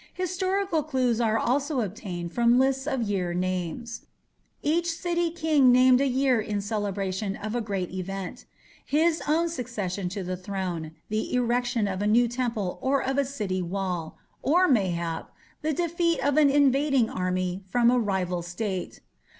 Historical clues are also obtained from lists of year names. Each city king named a year in celebration of a great event his own succession to the throne, the erection of a new temple or of a city wall, or, mayhap, the defeat of an invading army from a rival state.